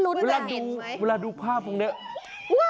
เวลาดูภาพตรงนี้